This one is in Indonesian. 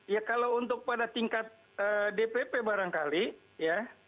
ya kalau untuk pada tingkat dpp barangkali ya